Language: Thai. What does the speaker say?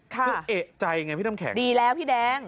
คือเอกใจไงพี่น้ำแข็ง